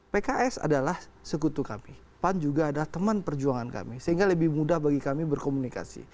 pks adalah sekutu kami pan juga adalah teman perjuangan kami sehingga lebih mudah bagi kami berkomunikasi